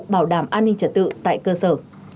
bảo đảm an ninh trả tự tại cơ sở